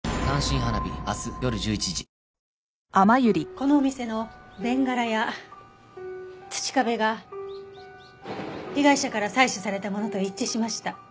このお店のベンガラや土壁が被害者から採取されたものと一致しました。